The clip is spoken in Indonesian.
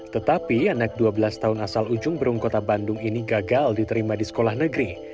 tetapi anak dua belas tahun asal ujung berung kota bandung ini gagal diterima di sekolah negeri